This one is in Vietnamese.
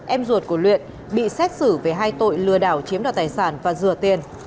em ruột của luyện bị xét xử về hai tội lừa đảo chiếm đoạt tài sản và rửa tiền